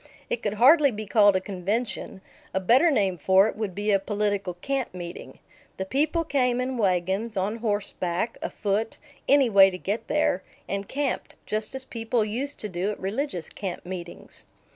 It could hardly be called a convention; a better name for it would be a political camp meeting. The people came in wagons, on horseback, afoot any way to get there and camped, just as people used to do at religious camp meetings.